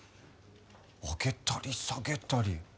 上げたり下げたり。